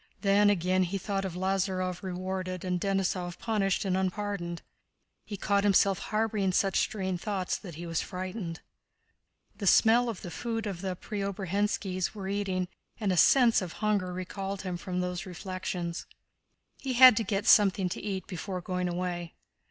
Then again he thought of Lázarev rewarded and Denísov punished and unpardoned. He caught himself harboring such strange thoughts that he was frightened. The smell of the food the Preobrazhénskis were eating and a sense of hunger recalled him from these reflections; he had to get something to eat before going away.